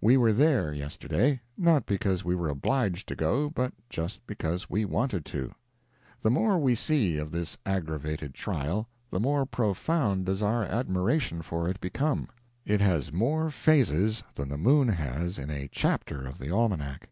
—We were there, yesterday, not because we were obliged to go, but just because we wanted to. The more we see of this aggravated trial, the more profound does our admiration for it become. It has more phases than the moon has in a chapter of the almanac.